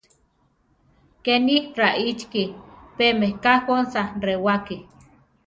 Kéni raíchiki; pé meká jónsa rewáki.